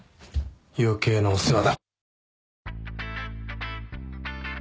余計なお世話だ。